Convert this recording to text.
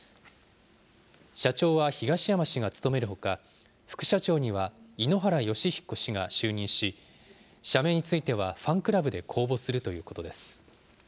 社長は東山氏が務めるほか、副社長には、井ノ原快彦氏が就任し、社名についてはファンクラブで公募するということです。